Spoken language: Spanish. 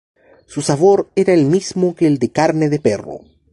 Su sabor era el mismo que el de carne de perro.